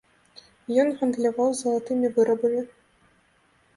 Ён гандляваў залатымі вырабамі.